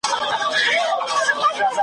د کمزوري هم مرګ حق دی او هم پړ سي .